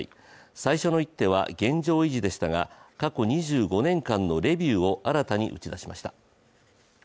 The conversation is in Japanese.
最初の一手は現状維持でしたが過去２５年間のレビューを新たに打ち出しました。